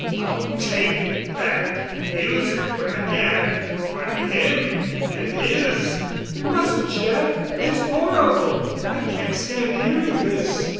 I'll take that and use it when I can—on him and his." "You mustn't, Jeff. It's horrible. I can't stand hearing this."